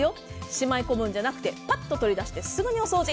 しまい込むんじゃなくてパッと取り出してすぐにお掃除。